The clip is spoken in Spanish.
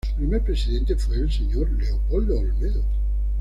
Su primer presidente fue el señor Leopoldo Olmedo.